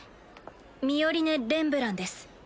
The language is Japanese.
ミオリネ・レンブランです。